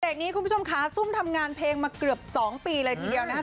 นี้คุณผู้ชมค่ะซุ่มทำงานเพลงมาเกือบ๒ปีเลยทีเดียวนะคะ